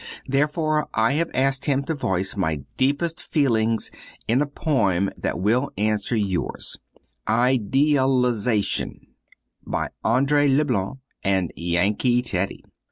Therefore have I asked him to voice my deepest feelings in a poem that will answer yours: "IDEALIZATION" By Andree Leblanc and Yankee Teddy.